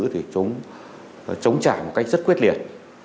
thì chúng chống trả một cách rất quyết liệt